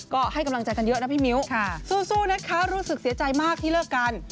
ก็ให้กำลังใจกันเยอะนะพี่มิ้วสู้นะคะรู้สึกเสียใจมากที่เลิกกัน